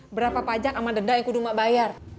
berapa pajak sama denda yang kudu gak bayar